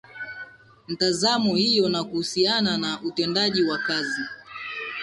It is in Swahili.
Mitazamo iyo ni kuhusiana na utendaji wao wa kazi